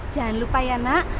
jangan lupa ya nak